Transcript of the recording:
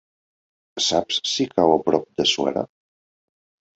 Saps si cau a prop de Suera?